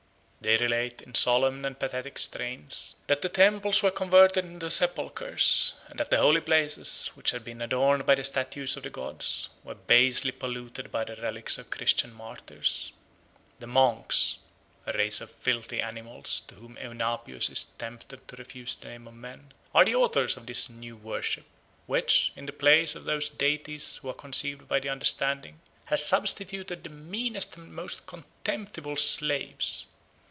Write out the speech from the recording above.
They relate, in solemn and pathetic strains, that the temples were converted into sepulchres, and that the holy places, which had been adorned by the statues of the gods, were basely polluted by the relics of Christian martyrs. "The monks" (a race of filthy animals, to whom Eunapius is tempted to refuse the name of men) "are the authors of the new worship, which, in the place of those deities who are conceived by the understanding, has substituted the meanest and most contemptible slaves.